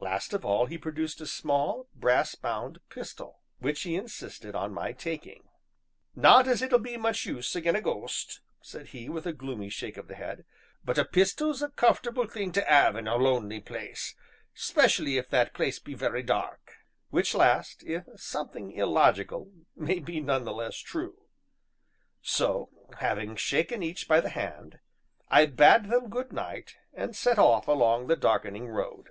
Last of all he produced a small, brass bound pistol, which he insisted on my taking. "Not as it'll be much use again' a ghost," said he, with a gloomy shake of the head, "but a pistol's a comfortable thing to 'ave in a lonely place 'specially if that place be very dark." Which last, if something illogical, may be none the less true. So, having shaken each by the hand, I bade them good night, and set off along the darkening road.